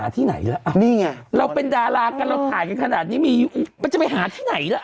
ที่ไหนล่ะนี่ไงเราเป็นดารากันเราถ่ายกันขนาดนี้มีอยู่มันจะไปหาที่ไหนล่ะ